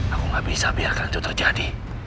aku nggak bisa biarkan itu terjadi